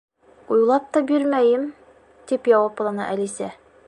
—Уйлап та бирмәйем, —тип яуапланы Әлисә.